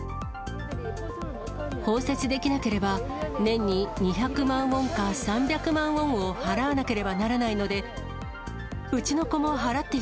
包摂できなければ年に２００万ウォンか３００万ウォンを払わなければならないので。